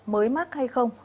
mới mắc hay không